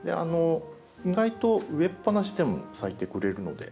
意外と植えっぱなしでも咲いてくれるので。